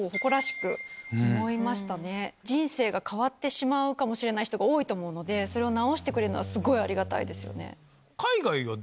人生が変わってしまうかもしれない人が多いと思うのでそれを治してくれるのはすごいありがたいですよね。